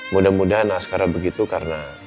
mudah mudahan askara begitu karena